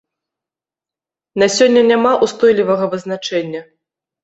На сёння няма ўстойлівага вызначэння.